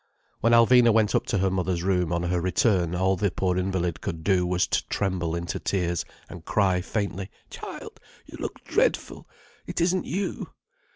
When Alvina went up to her mother's room, on her return, all the poor invalid could do was to tremble into tears, and cry faintly: "Child, you look dreadful. It isn't you."